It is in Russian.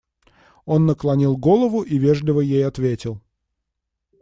Он наклонил голову и вежливо ей ответил.